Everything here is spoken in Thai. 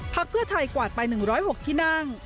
พักเพื่อไทยกวาดไปหนึ่งร้อยหกที่นั่ง